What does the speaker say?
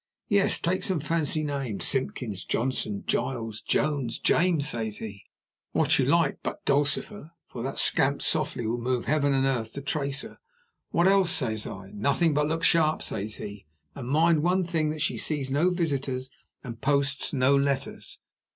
'Yes; take some fancy name Simkins, Johnson, Giles, Jones, James,' says he, 'what you like bu t Dulcifer; for that scamp Softly will move heaven and earth to trace her.' 'What else?' says I. 'Nothing, but look sharp,' says he; 'and mind one thing, that she sees no visitors, and posts no letters.